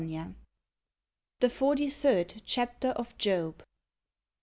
134 THE FORTY THIRD CHAPTER OF JOB 1.